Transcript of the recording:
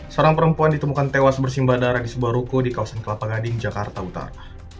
seorang perempuan ditemukan tewas bersimbah darah di sebuah ruko di kawasan kelapa gading jakarta utara